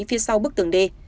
phía sau bức tường đê